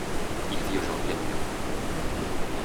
Il vit aujourd'hui à New-York.